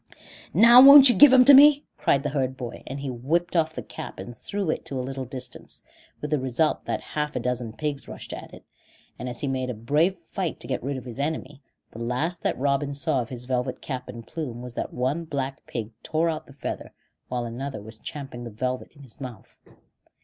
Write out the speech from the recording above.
"Now won't you give em to me?" cried the herd boy; and he whipped off the cap and threw it to a little distance, with the result that half a dozen pigs rushed at it; and as he made a brave fight to get rid of his enemy, the last that Robin saw of his velvet cap and plume was that one black pig tore out the feather, while another was champing the velvet in his mouth.